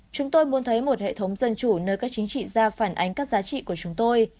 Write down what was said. chúng tôi muốn thấy một hệ thống dân chủ nơi các chính trị gia phản ánh các giá trị của chúng tôi